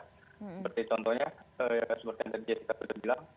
seperti contohnya seperti yang tadi jessica sudah bilang